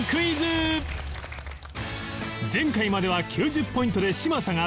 前回までは９０ポイントで嶋佐がトップ